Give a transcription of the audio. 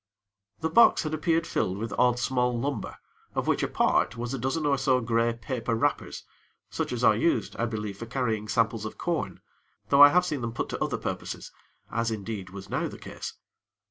The box had appeared filled with odd small lumber of which a part was a dozen or so grey paper wrappers, such as are used, I believe, for carrying samples of corn; though I have seen them put to other purposes, as, indeed, was now the case.